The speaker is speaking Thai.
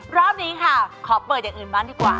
รอบนี้ค่ะขอเปิดอย่างอื่นบ้างดีกว่า